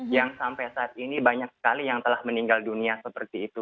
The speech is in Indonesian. yang sampai saat ini banyak sekali yang telah meninggal dunia seperti itu